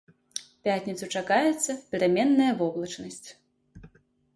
У пятніцу чакаецца пераменная воблачнасць.